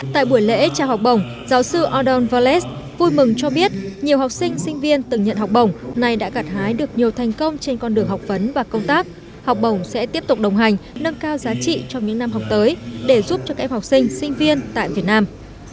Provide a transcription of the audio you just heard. tại buổi lễ trao học bổng giáo sư odon verlet vui mừng cho biết nhiều học sinh sinh viên từng nhận học bổng này đã gạt hái được nhiều thành công trên con đường học vấn và công tác học bổng sẽ tiếp tục đồng hành nâng cao giá trị trong những năm học tới để giúp cho các em học sinh sinh viên tại việt nam